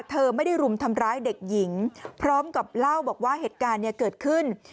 เธอไม่ได้รุมทำร้ายเด็กหญิงพร้อมกับเล่าบอกว่าเหตุการณ์เนี่ยเกิดขึ้น